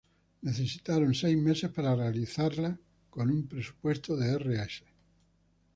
Necesitaron seis meses para realizarla con un presupuesto de Rs.